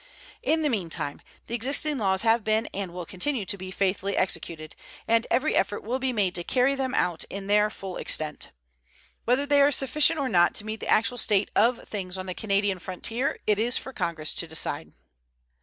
In the meantime the existing laws have been and will continue to be faithfully executed, and every effort will be made to carry them out in their full extent. Whether they are sufficient or not to meet the actual state of things on the Canadian frontier it is for Congress to decide.